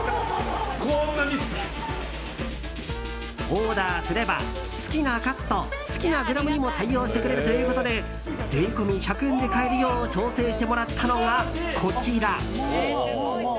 オーダーすれば好きなカット、好きなグラムにも対応してくれるということで税込み１００円で買えるよう調整してもらったのが、こちら。